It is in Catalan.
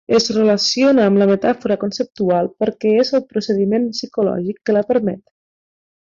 Es relaciona amb la metàfora conceptual perquè és el procediment psicològic que la permet.